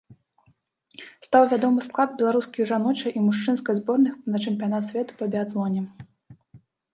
Стаў вядомы склад беларускіх жаночай і мужчынскай зборных на чэмпіянат свету па біятлоне.